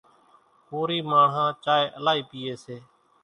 ڪورِي ماڻۿان چائيَ الائِي پيئيَ سي۔